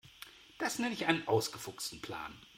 Das nenne ich einen ausgefuchsten Plan.